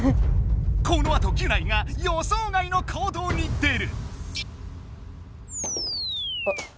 このあとギュナイが予想外の行動に出る！